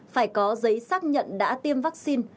phải có giấy xác nhận đã tiêm vaccine